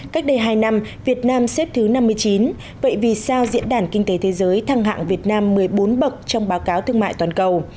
cách đây hai năm việt nam xếp thứ năm mươi chín vậy vì sao diễn đàn kinh tế thế giới thăng hạng việt nam một mươi bốn bậc trong báo cáo thương mại toàn cầu